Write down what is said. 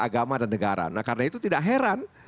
agama dan negara nah karena itu tidak heran